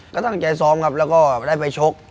ก็ตั้งใจซ้อมครับแล้วก็ได้ไปชก